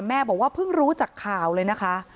แม่บอกว่าเพิ่งรู้จากข่าวเลยนะคะ